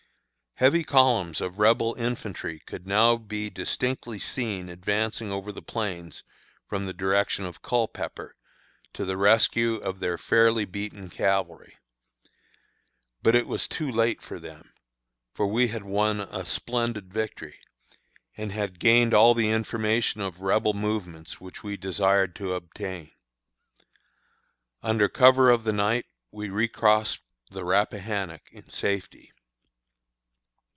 Heavy columns of Rebel infantry could now be distinctly seen advancing over the plains from the direction of Culpepper, to the rescue of their fairly beaten cavalry. But it was too late for them, for we had won a splendid victory, and had gained all the information of Rebel movements which we desired to obtain. Under cover of the night we recrossed the Rappahannock in safety.